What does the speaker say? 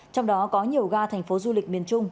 trong đó có nhiều ga thành phố du lịch miền trung